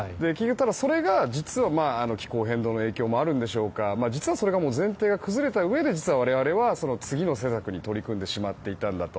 それが実は気候変動の影響もあるんでしょうが実はそれが前提が崩れたうえで我々は次の施策に取り組んでしまっていたんだと。